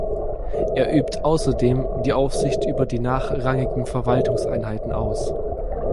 Er übt außerdem die Aufsicht über die nachrangigen Verwaltungseinheiten aus.